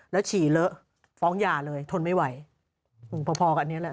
แล้วฉี่เลอะฟ้องหย่าเลยทนไม่ไหวพอพอกันเนี้ยแหละ